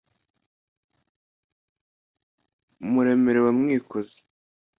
muremera wa mwikozi